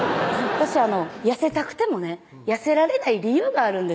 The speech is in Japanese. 私痩せたくてもね痩せられない理由があるんです